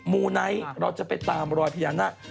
มูไนท์เราจะไปตามรอยพญานาค